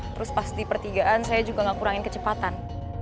terus pas di pertigaan saya juga gak kurangin kecepatan